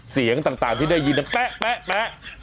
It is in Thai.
เสียงต่างที่ได้ยินดังแป๊ะ